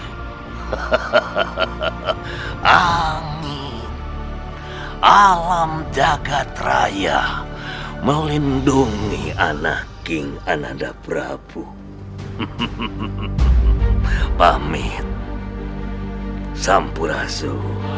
hahaha alam jagad raya melindungi anak king ananda prabu pamit sampurasu